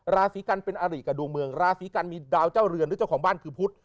ราศีกันเป็นอาริกับดวงเมืองราศีกันมีดาวเจ้าเรือนหรือเจ้าของบ้านคือพุทธ